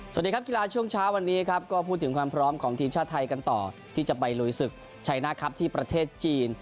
สวัสดีครับกีฬาช่วงเช้าวันนี้ครับก็พูดถึงความพร้อมของทีมชาติไทยกันต่อที่จะไปลุยศึกชัยหน้าครับที่ประเทศจีน